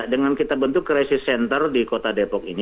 dengan kita bentuk crisis center di kota depok ini